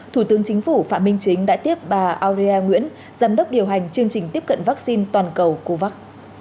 thủ tướng chính phủ phạm minh chính đã tiếp bà aurier nguyễn giám đốc điều hành chương trình tiếp cận vaccine toàn cầu covax